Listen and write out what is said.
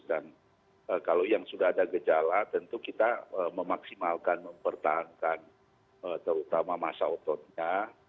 dan kalau yang sudah ada gejala tentu kita memaksimalkan mempertahankan terutama masa ototnya